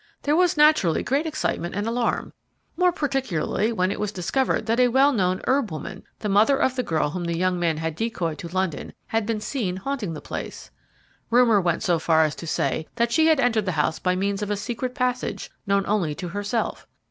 There was, naturally great excitement and alarm, more particularly when it was discovered that a well known herb woman, the mother of the girl whom the young man had decoyed to London, had been seen haunting the place. Rumour went so far as to say that she had entered the house by means of a secret passage known only to herself.